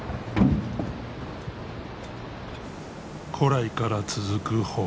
古来から続く捕鯨。